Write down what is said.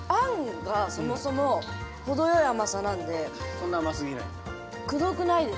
そんな甘すぎない。